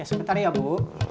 ya sebentar ya bu